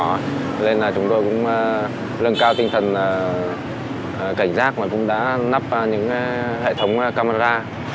cho nên là chúng tôi cũng lưng cao tinh thần cảnh giác và cũng đã nắp những hệ thống camera